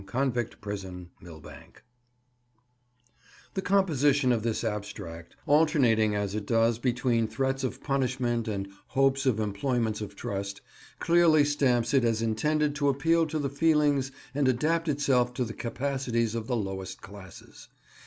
Convict Prison_, Millbank. The composition of this abstract, alternating as it does between threats of punishment and hopes of "employments of trust," clearly stamps it as intended to appeal to the feelings and adapt itself to the capacities of the lowest classes.